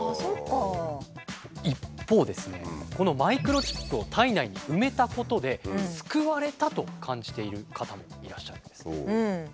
このマイクロチップを体内に埋めたことで救われたと感じている方もいらっしゃるんです。